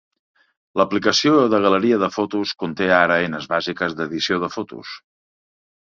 L'aplicació de galeria de fotos conté ara eines bàsiques d'edició de fotos.